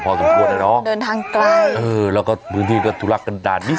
พอสมควรนะน้องเดินทางใกล้เออแล้วก็พื้นที่ก็ทุลักษณ์กันด้านนิด